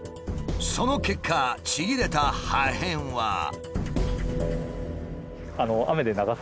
その結果ちぎれた破片は。